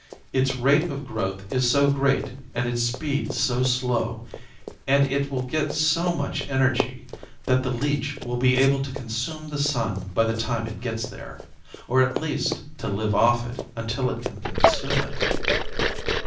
"Its rate of growth is so great and its speed so slow and it will get so much energy that the leech will be able to consume the Sun by the time it gets there. Or, at least, to live off it until it can consume it."